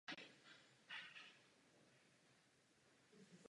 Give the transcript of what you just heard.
Naopak kladla velký důraz na praktickou zbožnost a užitečný život.